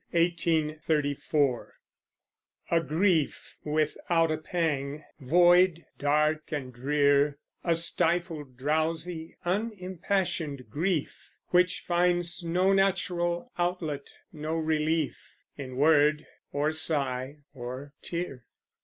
SAMUEL TAYLOR COLERIDGE (1772 1834) A grief without a pang, void, dark and drear, A stifled, drowsy, unimpassioned grief, Which finds no natural outlet, no relief, In word, or sigh, or tear.